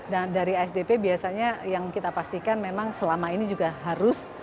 dan dari asdp biasanya yang kita pastikan memang selama ini juga harus